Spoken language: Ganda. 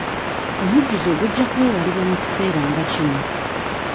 Omujjuzo gujja kwewalibwa mu kiseera nga kino.